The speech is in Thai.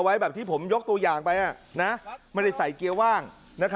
ไว้แบบที่ผมยกตัวอย่างไปไม่ได้ใส่เกียร์ว่าง